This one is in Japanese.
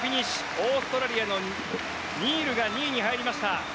オーストラリアのニールが２位に入りました。